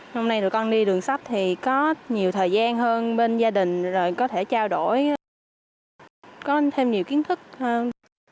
hôm nay tụi con đi đường sách thì có nhiều thời gian hơn bên gia đình rồi có thể trao đổi có thêm nhiều kiến thức hơn